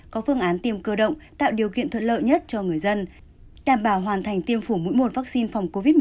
có phương án tiêm cơ động tạo điều kiện thuận lợi nhất cho người dân đảm bảo hoàn thành tiêm phủ mũi một vaccine phòng covid một mươi chín